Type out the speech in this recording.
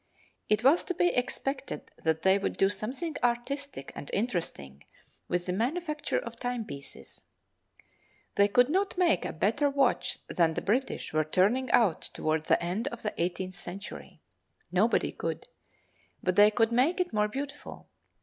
It was to be expected that they would do something artistic and interesting with the manufacture of timepieces. They could not make a better watch than the British were turning out toward the end of the eighteenth century. Nobody could—but they could make it more beautiful.